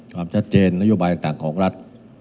ความชัดเจนนโยบายต่างของรัฐ